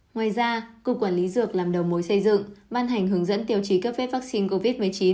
ngoài ra cục quản lý dược làm đầu mối xây dựng ban hành hướng dẫn tiêu chí cấp phép vaccine covid một mươi chín